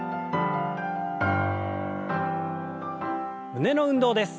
胸の運動です。